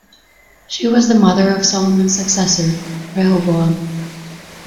She was the mother of Solomon's successor, Rehoboam.